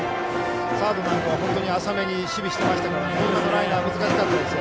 サードなんかは浅めに守備していましたから今のライナー難しかったですよ。